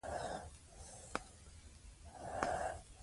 پیرودونکی پاچا دی.